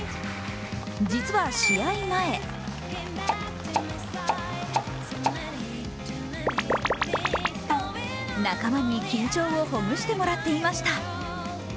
実は試合前仲間に緊張をほぐしてもらってました。